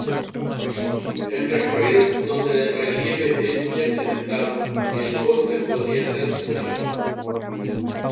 En recorridos donde el relieve es muy accidentado el coste podría ser superior.